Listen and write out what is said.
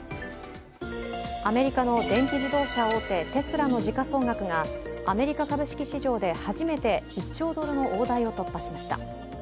アメリカの電気自動車大手テスラの時価総額がアメリカ株式市場で初めて１兆ドルの大台を突破しました。